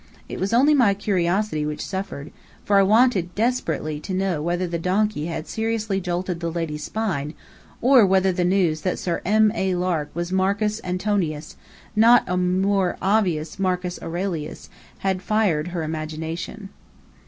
It was only my curiosity which suffered, for I wanted desperately to know whether the donkey had seriously jolted the lady's spine, or whether the news that Sir M. A. Lark was Marcus Antonius, not a more obvious Marcus Aurelius, had fired her imagination.